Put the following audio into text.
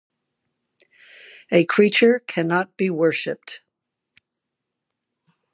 A creature cannot be worshiped.